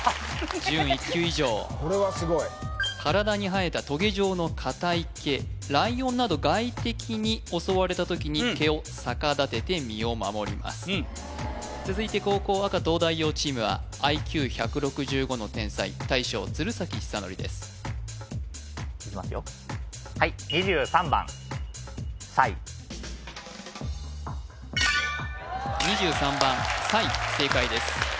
準１級以上これはすごい体に生えたトゲ状の硬い毛ライオンなど外敵に襲われた時に毛を逆立てて身を守ります続いて後攻赤東大王チームはＩＱ１６５の天才大将・鶴崎修功ですいきますよはい２３番サイ正解です